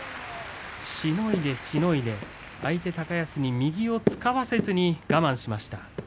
しのいでしのいで相手、高安に右を使わせずに我慢しました。